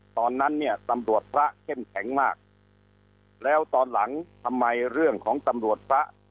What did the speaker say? ตอนนั้นเนี่ยตำรวจพระเข้มแข็งมากแล้วตอนหลังทำไมเรื่องของตำรวจพระ